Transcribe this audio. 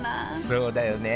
そうだよねえ！